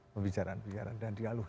pembicaraan pembicaraan dan dialuh